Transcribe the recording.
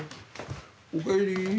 おかえり。